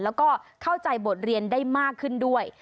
แล้วก็เข้าใจบทเรียนได้มากขึ้นด้วย